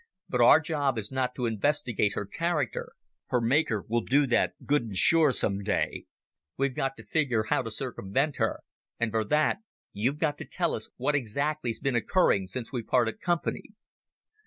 But our job is not to investigate her character. Her Maker will do that good and sure some day. We've got to figure how to circumvent her, and for that you've got to tell us what exactly's been occurring since we parted company."